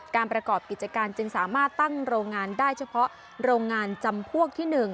ประกอบกิจการจึงสามารถตั้งโรงงานได้เฉพาะโรงงานจำพวกที่๑